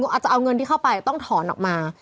อาจจะเอาเงินที่เข้าไปต้องถอนออกมา